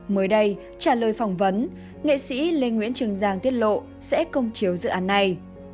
mới đây trả lời phỏng vấn nghệ sĩ lê nguyễn trường giang tiết lộ sẽ công chiếu dự án này